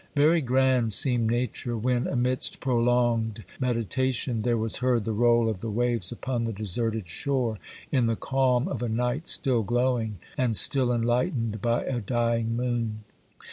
Very grand seemed Nature when, amidst pro longed meditation, there was heard the roll of the waves upon the deserted shore, in the calm of a night still glow ing and still enlightened by a dying moon.